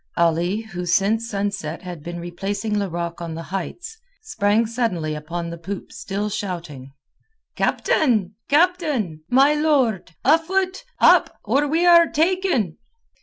Ali, who since sunset had been replacing Larocque on the heights, sprang suddenly upon the poop still shouting. "Captain! Captain! My lord! Afoot! Up! or we are taken!"